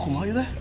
kuma aja deh